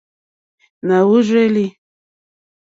Na wurzeli.